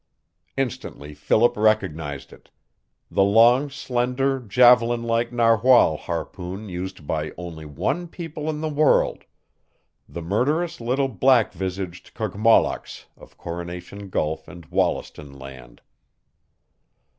Instantly Philip recognized it the long, slender, javelin like narwhal harpoon used by only one people in the world, the murderous little black visaged Kogmollocks of Coronation Gulf and Wollaston Land.